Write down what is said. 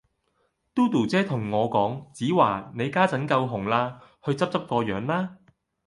Dodo 姐同我講：子華，你家陣夠紅啦，去執執個樣啦